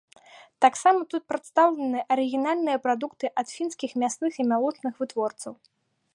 Таксама тут прадстаўлены арыгінальныя прадукты ад фінскіх мясных і малочных вытворцаў.